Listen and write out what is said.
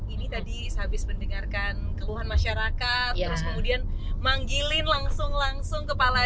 ini tadi sehabis mendengarkan keluhan masyarakat terus kemudian manggilin langsung langsung kepala